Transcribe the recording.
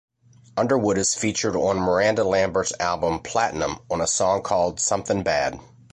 Underwood is featured on Miranda Lambert's album "Platinum", on a song called "Somethin' Bad".